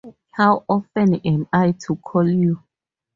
How often am I to call you?